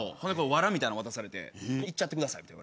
わらみたいの渡されていっちゃってくださいって。